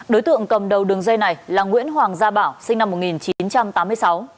đối tượng cầm đầu đường dây này là nguyễn hoàng gia bảo sinh năm một nghìn chín trăm tám mươi sáu